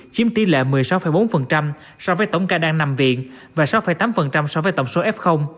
chiếm tỷ lệ một mươi sáu bốn so với tổng ca đang nằm viện và sáu tám so với tổng số f